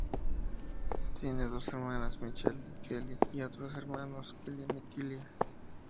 Tiene dos hermanas, Michelle y Kelly; y otros dos hermanos, Killian y Kyle.